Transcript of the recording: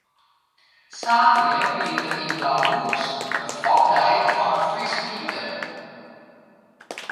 Saterdei wie der yn Blauhûs in fokdei fan it Fryske hynder.